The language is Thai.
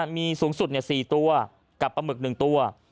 มีสูงสุด๔ตัวกับปลาหมึก๑ตัว